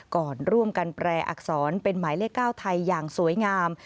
ก่อนร่วมกันแปรอักษรเป็นหมายเลข๙ไทยอย่างสวยงาม